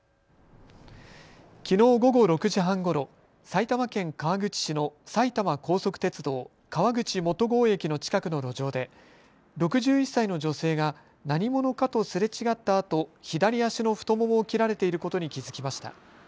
きのう午後６時半ごろ埼玉県川口市の埼玉高速鉄道川口元郷駅の近くの路上で６１歳の女性が何者かとすれ違ったあと左足の太ももを切られていることに気付きました。